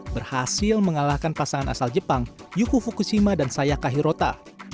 berhasil mengalahkan pasangan asal jepang yuhu fukushima dan sayaka hirota